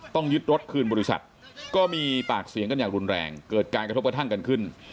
ยึดรถคืนบริษัทก็มีปากเสียงกันอย่างรุนแรงเกิดการกระทบกระทั่งกันขึ้น